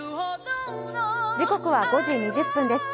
時刻は５時２０分です。